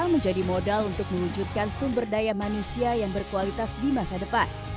menjadi modal untuk mewujudkan sumber daya manusia yang berkualitas di masa depan